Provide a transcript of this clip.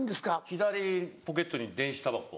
左ポケットに電子たばこ。